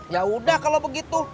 yaudah kalau begitu